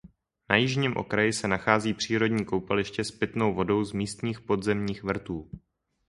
Na jižním okraji se nachází přírodní koupaliště s pitnou vodou z místních podzemních vrtů.